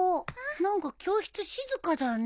何か教室静かだね。